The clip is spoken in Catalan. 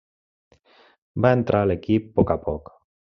Va entrar a l'equip a poc a poc.